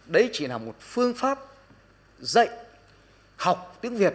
đấy chỉ là một phương pháp dạy học tiếng việt